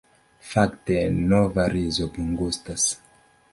Fakte nova rizo bongustas.